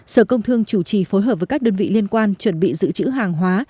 sở công thương chủ trì phối hợp với các đơn vị liên quan chuẩn bị giữ chữ hàng hóa